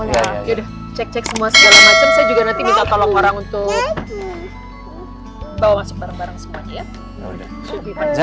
enggak yaudah cek cek semua segala macam saya juga nanti minta tolong orang untuk bawa barang barang semuanya ya